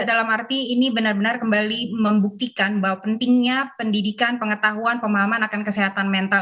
dalam arti ini benar benar kembali membuktikan bahwa pentingnya pendidikan pengetahuan pemahaman akan kesehatan mental